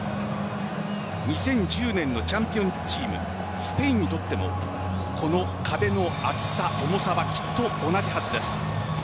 ２０１０年のチャンピオンチームスペインにとってもこの壁の厚さ、重さはきっと同じはずです。